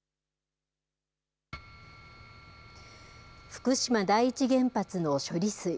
福島第一原発の処理水。